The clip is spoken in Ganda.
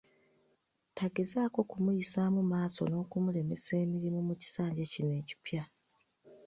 Tagezaako kumuyisaamu maaso n’okumulemesa emirimu mu kisanja kino ekipya.